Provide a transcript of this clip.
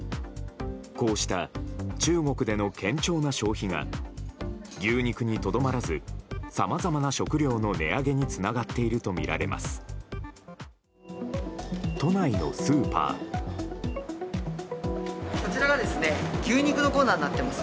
こうした中国での堅調な消費が牛肉にとどまらずさまざまな食料の値上げにつながっているとみられます。